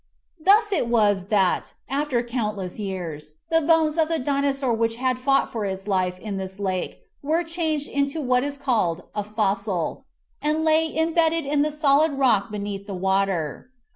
Thus it was, that, after countless years, the bones of the Dinosaur which had fought for its life in this lake were changed into what is called a "fossil" and lay imbedded in the solid rock beneath the water.